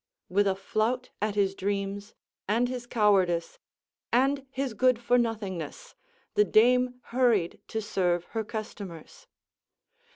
With a flout at his dreams, and his cowardice, and his good for nothingness, the dame hurried to serve her customers.